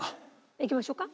いきましょうか？